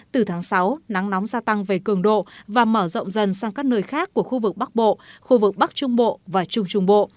từ tháng sáu nắng nóng gia tăng về cường độ và mở rộng dần sang các nơi khác của khu vực bắc bộ khu vực bắc trung bộ và trung trung bộ